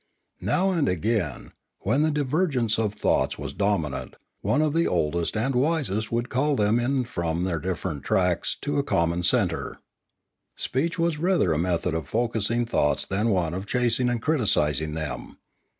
Now and again, when the divergence of thoughts was dominant, one of the oldest and wisest would call them in from their different tracks to a common centre. Speech was rather a method of focussing thoughts than one of chasing and criticising them.